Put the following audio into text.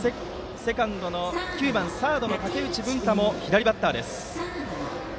９番サードの竹内文太も左バッターです。